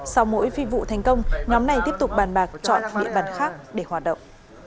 sau mỗi phi vụ thành công nhóm này tiếp tục bàn bạc chọn địa bàn khác để hoạt động